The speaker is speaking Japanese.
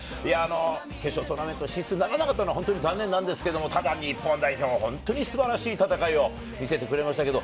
決勝トーナメント進出ならなかったのは本当に残念ですが、日本代表、本当に素晴らしい戦いを見せてくれました。